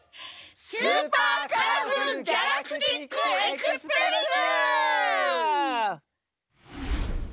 「スーパーカラフルギャラクティックエクスプレス」！